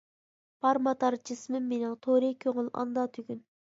بار ماتار جىسمىم مېنىڭ تورى كۆڭۈل ئاندا تۈگۈن.